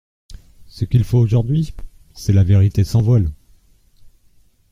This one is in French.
Ce qu'il faut aujourd'hui, c'est la vérité sans voiles.